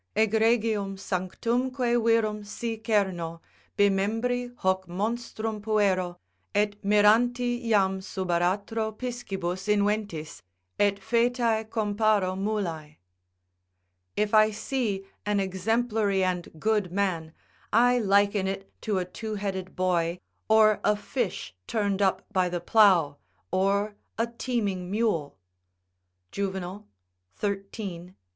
"Egregium sanctumque virum si cerno, bimembri Hoc monstrum puero, et miranti jam sub aratro Piscibus inventis, et foetae comparo mulae." ["If I see an exemplary and good man, I liken it to a two headed boy, or a fish turned up by the plough, or a teeming mule." Juvenal, xiii.